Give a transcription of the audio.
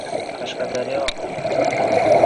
Qashqadaryo